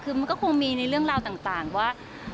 คือมันก็คงมีในเรื่องราวต่างว่า